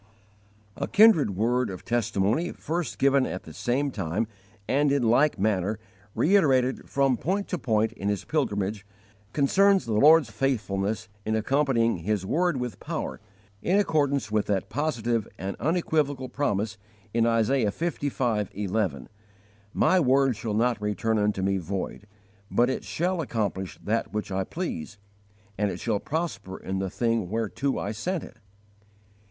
A kindred word of testimony, first given at this same time and in like manner reiterated from point to point in his pilgrimage, concerns the Lord's faithfulness in accompanying His word with power, in accordance with that positive and unequivocal promise in Isaiah lv. 11: "My word shall not return unto Me void; but it shall accomplish that which I please, and it shall prosper in the thing whereto I sent it."